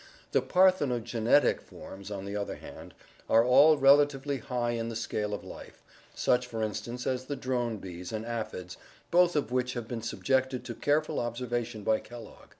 The parthenogenetic forms, on the other hand, are all relatively high in the scale of life, such for instance as the drone bees and aphids, both of which have been subjected to careful observation by Kellogg.